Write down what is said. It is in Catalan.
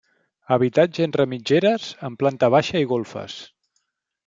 Habitatge entre mitgeres amb planta baixa i golfes.